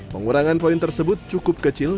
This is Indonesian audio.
pengurangan poin tersebut cukup kecil